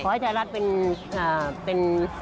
ขอให้ชายรักเป็น